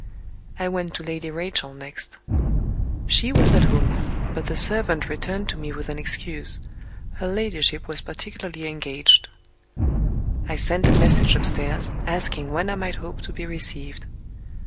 I went to Lady Rachel next. She was at home, but the servant returned to me with an excuse: her ladyship was particularly engaged. I sent a message upstairs, asking when I might hope to be received.